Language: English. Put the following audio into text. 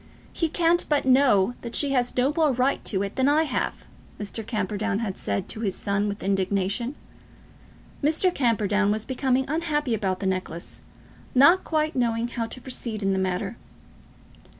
"He can't but know that she has no more right to it than I have," Mr. Camperdown had said to his son with indignation. Mr. Camperdown was becoming unhappy about the necklace, not quite knowing how to proceed in the matter.